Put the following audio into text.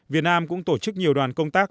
việt nam cũng tổ chức nhiều đoàn công tác